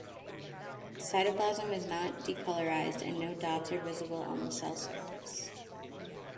The cytoplasm is not decolorized and no dots are visible on the cell surface.